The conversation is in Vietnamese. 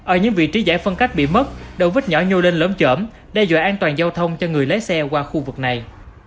ở những vị trí giải phân cách bị mất đầu vít nhỏ nhô lên lớn chởm đe dọa an toàn giao thông cho người lấy xe qua khu vực này